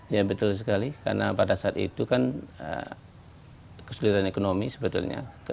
ya betul sekali karena pada saat itu kan kesulitan ekonomi sebetulnya